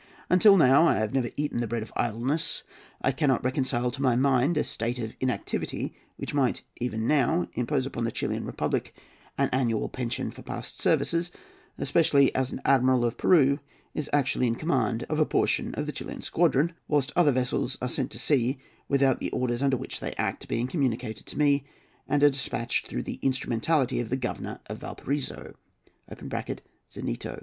Until now I have never eaten the bread of idleness. I cannot reconcile to my mind a state of inactivity which might even now impose upon the Chilian Republic an annual pension for past services; especially as an Admiral of Peru is actually in command of a portion of the Chilian squadron, whilst other vessels are sent to sea without the orders under which they act being communicated to me, and are despatched through the instrumentality of the governor of Valparaiso [Zenteno].